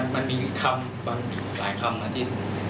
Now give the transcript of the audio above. มันมีคำอยู่หลายคำนะที่